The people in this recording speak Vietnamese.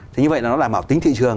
thì như vậy nó đảm bảo tính thị trường